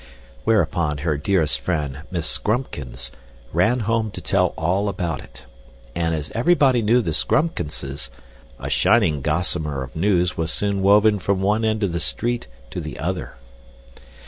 Whereupon her dearest friend, Miss Scrumpkins, ran home to tell all about it. And, as everybody knew the Scrumpkinses, a shining gossamer of news was soon woven from one end of the street to the other.